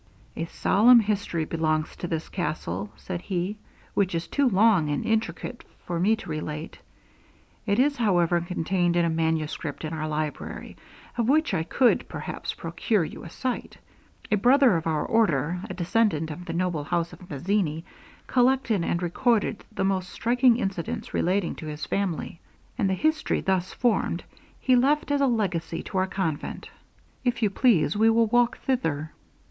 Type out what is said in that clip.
'A solemn history belongs to this castle, said he, 'which is too long and intricate for me to relate. It is, however, contained in a manuscript in our library, of which I could, perhaps, procure you a sight. A brother of our order, a descendant of the noble house of Mazzini, collected and recorded the most striking incidents relating to his family, and the history thus formed, he left as a legacy to our convent. If you please, we will walk thither.'